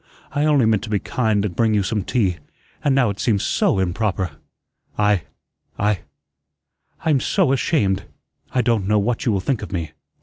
I only meant to be kind and bring you some tea; and now it seems SO improper. I I I'm SO ashamed! I don't know what you will think of me.